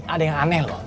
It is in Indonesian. ada yang aneh loh